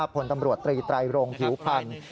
ผลตำรวจตรีไตรโรงผิวพันธ์